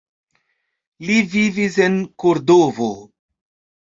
Li vivis en Kordovo.